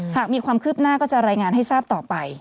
หากมีความคืบหน้าก็จะรายงานให้ทราบต่อไป